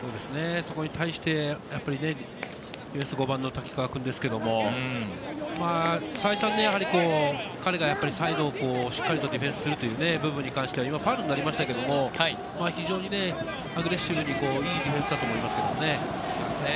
そこに対してやっぱりね、５番の瀧川君ですけれども、再三、彼がサイドをしっかりとディフェンスするという部分に関しては、今、ファウルになりましたけれども、非常にアグレッシブにいいディフェンスだと思います。